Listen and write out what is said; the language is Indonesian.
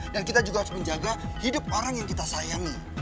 dan kita juga harus menjaga hidup orang yang kita sayangi